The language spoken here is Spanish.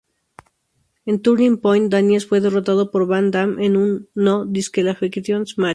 En "Turning Point", Daniels fue derrotado por Van Dam en un "No Disqualification Match".